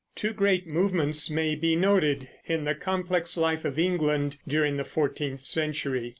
Two great movements may be noted in the complex life of England during the fourteenth century.